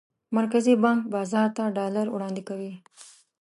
مرکزي بانک بازار ته ډالر وړاندې کوي.